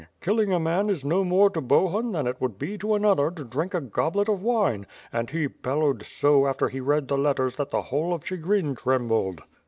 Killing a man is no more to Bohun than it would be to another to drink a goblet of wine, and he bellowed so after he read the letters that the whole of Chi grin trembled."